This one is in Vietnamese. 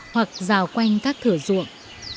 hoặc rào quanh các thửa ruộng